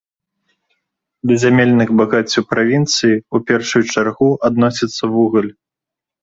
Да зямельных багаццяў правінцыі ў першую чаргу адносіцца вугаль.